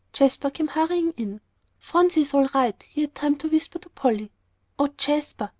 Jasper came hurrying in. "Phronsie is all right," he had time to whisper to Polly. "Oh, Jasper!"